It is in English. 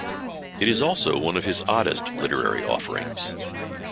It is also one of his oddest literary offerings.